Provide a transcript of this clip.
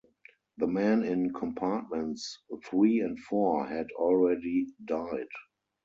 The men in compartments three and four had already died.